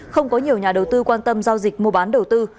không có nhiều nhà đầu tư quan tâm giao dịch mua bán đầu tư